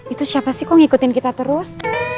itu siapa sih kok ngikutin kita terus